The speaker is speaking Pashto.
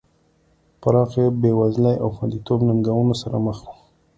پراخې بېوزلۍ او خوندیتوب ننګونو سره مخ وو.